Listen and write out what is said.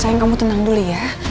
sayang kamu tenang dulu ya